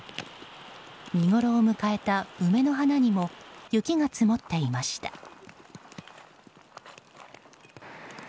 見ごろを迎えた梅の花にも雪が積もっていました。